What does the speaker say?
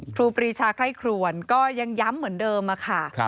ครูปรีชาไคร่ครวนก็ยังย้ำเหมือนเดิมค่ะ